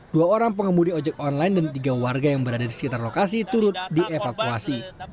dua orang pengemudi ojek online dan tiga warga yang berada di sekitar lokasi turut dievakuasi